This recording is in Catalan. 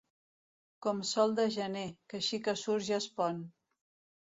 Com sol de gener, que així que surt ja es pon.